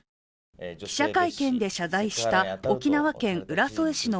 記者会見で謝罪した沖縄県浦添市の